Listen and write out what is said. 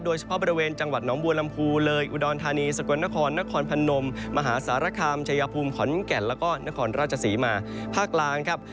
โดยเฉพาะบริเวณจังหวัดหนองบัวลำพูเลยอุดรธานีสกลนครนครพนมมหาสารคามชายภูมิขอนแก่นแล้วก็นครราชศรีมาภาคกลางครับ